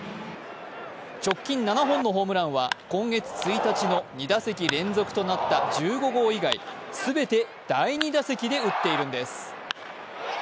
直近７本のホームランは今月１日の２打席連続となった１５号以外、全て第２打席で打っているんです。